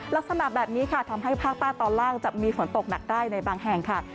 ลักษณะแบบนี้ค่ะทำให้ฝนฝนตกหนักได้ในบางแห่งค่ะ